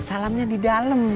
salamnya di dalam